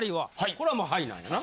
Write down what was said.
これはもう「はい」なんやな。